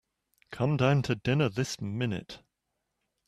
Come down to dinner this minute.